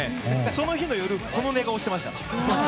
その日の夜この寝顔してました。